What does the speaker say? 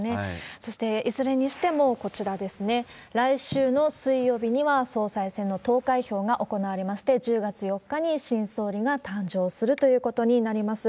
そして、いずれにしてもこちらですね、来週の水曜日には、総裁選の投開票が行われまして、１０月４日に新総理が誕生するということになります。